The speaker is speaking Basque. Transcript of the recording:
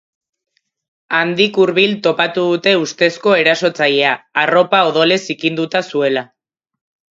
Handik hurbil topatu dute ustezko erasotzailea arropa odolez zikinduta zuela.